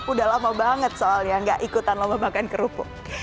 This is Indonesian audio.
udah lama banget soalnya gak ikutan lomba makan kerupuk